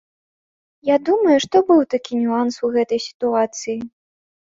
Я думаю, што быў такі нюанс у гэтай сітуацыі.